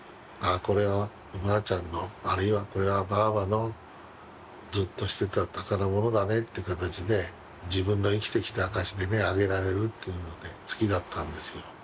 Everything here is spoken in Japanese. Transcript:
あこれはおばあちゃんのあるいはこれはばあばのずっとしてた宝物だねって形で自分の生きてきた証しであげられるっていうので好きだったんですよ